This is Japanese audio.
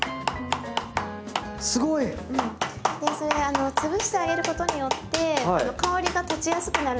すごい！それ潰してあげることによって香りが立ちやすくなるので。